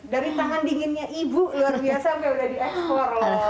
dari tangan dinginnya ibu luar biasa sampai udah diekspor